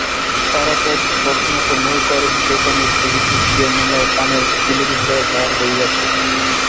তারাপদ প্রথমত নৌকারোহী দোকানির সহিত মিশিয়া মেলায় পানের খিলি বিক্রয়ের ভার লইয়াছিল।